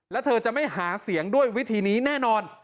แล้วเธอจะไม่หาเสียงด้วยวิธีนี้แน่นอน